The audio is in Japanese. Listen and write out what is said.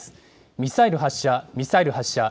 ミサイル発射、ミサイル発射。